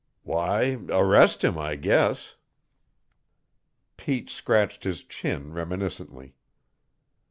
"Why, arrest him, I guess." Pete scratched his chin reminiscently.